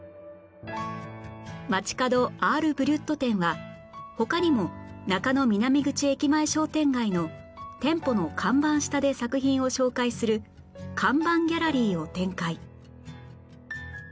街角アール・ブリュット展は他にも中野南口駅前商店街の店舗の看板下で作品を紹介する看板ギャラリーを展開